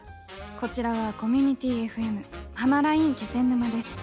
こちらはコミュニティＦＭ「はまらいん気仙沼」です。